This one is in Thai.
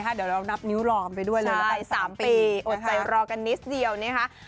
แล้วนับนิ้วรอกันไปด้วยเลยนะครับ๓ปีนะคะใช่๓ปีอดใจรอกันนิดเดียวเนี่ยค่ะ